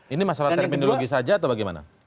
ini masalah terminologi saja atau bagaimana